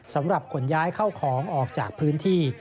สำหรับขนย้ายเข้าของออกจากพื้นที่